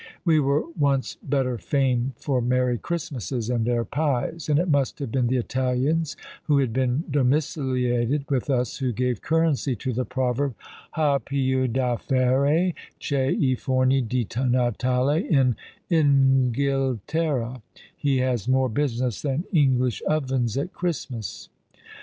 We were once better famed for merry Christmases and their pies; and it must have been the Italians who had been domiciliated with us who gave currency to the proverb Ha piu da fare che i forni di natale in Inghilterra: "He has more business than English ovens at Christmas."